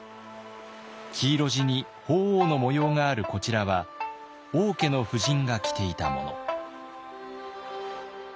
黄色地に鳳凰の模様があるこちらは王家の婦人が着ていたもの。